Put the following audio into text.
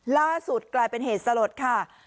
ล่าสุดกลายเป็นเหตุสลดค่ะ